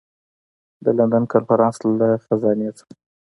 د لندن کنفرانس له خزانې څخه.